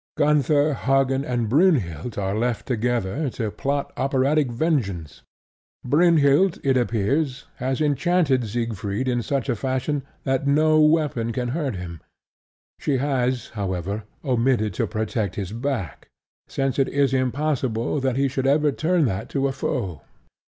Gunther, Hagen and Brynhild are left together to plot operatic vengeance. Brynhild, it appears, has enchanted Siegfried in such a fashion that no weapon can hurt him. She has, however, omitted to protect his back, since it is impossible that he should ever turn that to a foe.